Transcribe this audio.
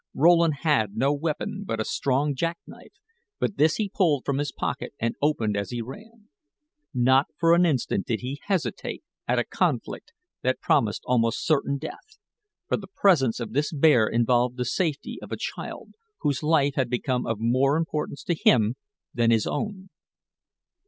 Rowland had no weapon but a strong jackknife, but this he pulled from his pocket and opened as he ran. Not for an instant did he hesitate at a conflict that promised almost certain death; for the presence of this bear involved the safety of a child whose life had become of more importance to him than his own.